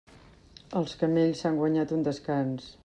Els camells s'han guanyat un descans.